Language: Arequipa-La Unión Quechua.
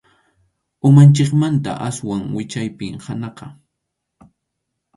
Umanchikmanta aswan wichaypim hanaqqa.